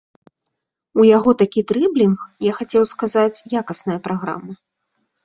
У яго такі дрыблінг, я хацеў сказаць якасная праграма.